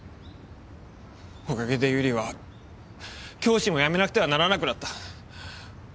おかげで由梨は教師も辞めなくてはならなくなった。